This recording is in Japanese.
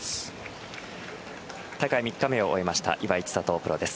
大会３日目を終えました岩井千怜プロです。